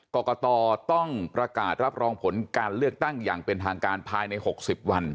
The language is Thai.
กรกตต้องประกาศรับรองผลการเลือกตั้งอย่างเป็นทางการภายใน๖๐วัน